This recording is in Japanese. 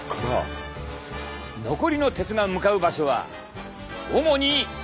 残りの鉄が向かう場所は主に肝臓。